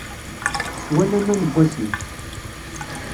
Swan aman n wasif.